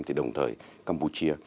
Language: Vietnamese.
thì đồng thời campuchia